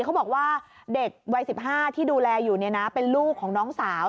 เขาบอกว่าเด็กวัย๑๕ที่ดูแลอยู่เป็นลูกของน้องสาว